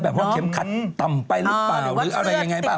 แบบว่าเข็มคัทตำไปหรือเปล่าหรืออะไรอย่างไรบ้าง